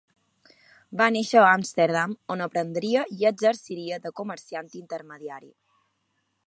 Va néixer a Amsterdam on aprendria i exerciria de comerciant intermediari.